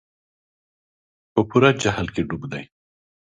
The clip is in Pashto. په پوره جهل کې ډوب دي.